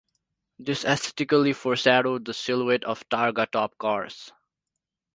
This aesthetically foreshadowed the silhouette of Targa top cars.